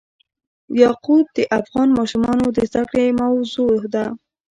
یاقوت د افغان ماشومانو د زده کړې موضوع ده.